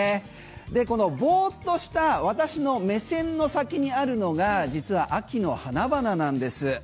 このぼーっとした私の目線の先にあるのが実は秋の花々なんです。